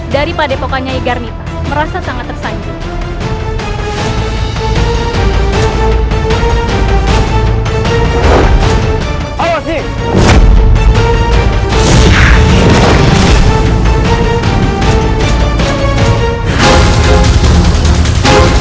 dia menyimpan kekuatan yang sangat hebat